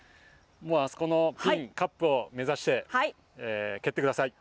あそこのカップを目指して蹴ってください。